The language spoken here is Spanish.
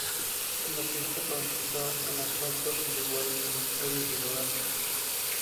La pista está pavimentada con asfalto, al igual que las calles de rodaje.